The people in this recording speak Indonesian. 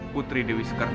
putri dewi sekardari